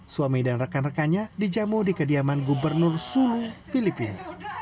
suami dan rekan rekannya dijamu di kediaman gubernur sulu filipina